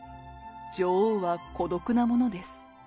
女王は孤独なものです。